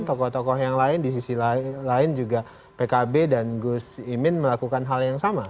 tokoh tokoh yang lain di sisi lain juga pkb dan gus imin melakukan hal yang sama